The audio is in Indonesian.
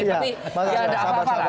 tapi tidak ada apa apa lah